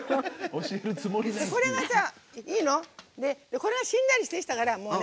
これはしんなりしてきたから。